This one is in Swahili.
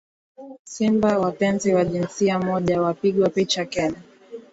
Simba wapenzi wa jinsia moja wapigwa picha Kenya